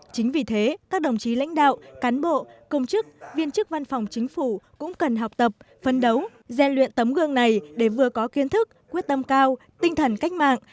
chính vì thế các đồng chí lãnh đạo cán bộ công chức viên chức văn phòng chính phủ cũng cần học tập phấn đấu gian luyện tấm gương này để vừa có kiến thức quyết tâm cao tinh thần cách mạng